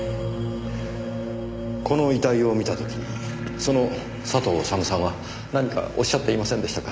この遺体を見た時にその佐藤修さんは何かおっしゃっていませんでしたか？